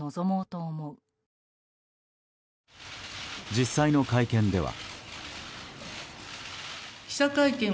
実際の会見では。